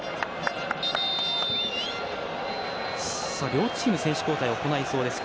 両チーム、選手交代を行いそうです。